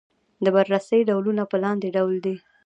د بررسۍ ډولونه په لاندې ډول دي.